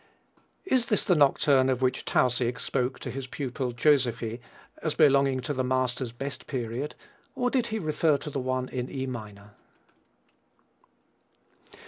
Is this the nocturne of which Tausig spoke to his pupil Joseffy as belonging to the Master's "best period," or did he refer to the one in E minor?